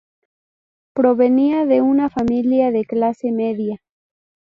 Provenía de una familia de clase media.